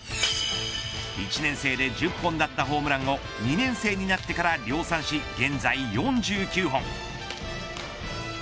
１年生で１０本だったホームランを２年生になってから量産し現在４９本。